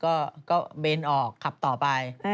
ก็เบนเรียนออกขับต่อไป